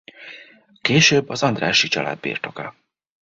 Később az Andrássy család birtoka.